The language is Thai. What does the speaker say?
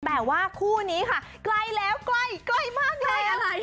แต่ว่าคู่นี้ค่ะใกล้แล้วใกล้ใกล้มากเลยอะไร